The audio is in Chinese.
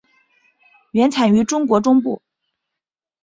原产于中国中部。